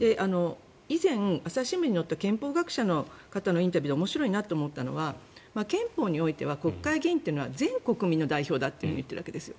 以前、朝日新聞に載った憲法学者の方のインタビューで面白いなと思ったのが憲法においては国会議員というのは全国民の代表だと言っているわけです。